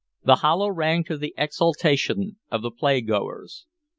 The hollow rang to the exultation of the playgoers.